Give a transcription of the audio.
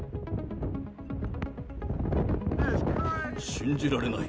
信じられない。